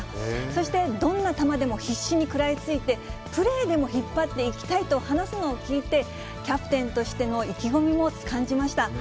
そしてどんな球でも必死に食らいついて、プレーでも引っ張っていきたいと話すのを聞いて、キャプテンとしての意気込みも感じました。